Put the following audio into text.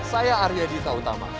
saya arya dita utama